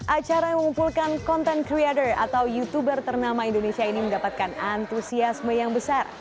acara yang mengumpulkan content creator atau youtuber ternama indonesia ini mendapatkan antusiasme yang besar